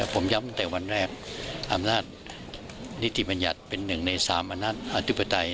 ผมย้ำตั้งแต่วันแรกอำนาจนิติบัญญัติเป็นหนึ่งใน๓อำนาจอธิปไตย